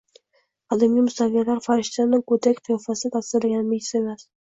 Qadimgi musavvirlar farishtani g’odak qiyofasida tasvirlagani bejiz emas.